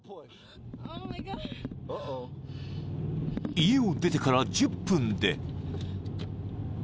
［家を出てから１０分で］